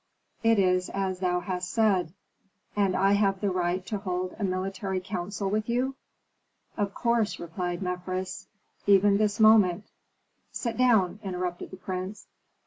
"It is as thou hast said." "And I have the right to hold a military council with you?" "Of course," replied Mefres. "Even this moment " "Sit down," interrupted the prince.